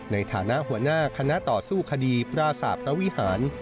ในฐานะหัวหน้าคณะต่อสู้คดีปราศาสตร์พระวิหาร